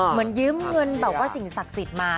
เหมือนยืมเงินแบบว่าสิ่งศักดิ์สิทธิ์มา